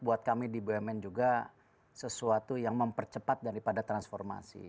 buat kami di bumn juga sesuatu yang mempercepat daripada transformasi